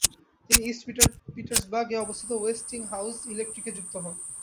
তিনি East Pittsburgh এ অবস্থিত ওয়েস্টিংহাউজ ইলেকট্রিক এ যুক্ত হন।